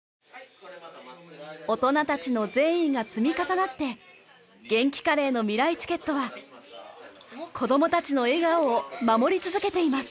大人たちの善意が積み重なってげんきカレーのみらいチケットは子どもたちの笑顔を守り続けています。